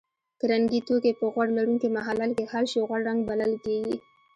که رنګي توکي په غوړ لرونکي محلل کې حل شي غوړ رنګ بلل کیږي.